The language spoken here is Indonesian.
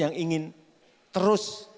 yang ingin terus